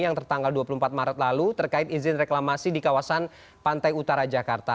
yang tertanggal dua puluh empat maret lalu terkait izin reklamasi di kawasan pantai utara jakarta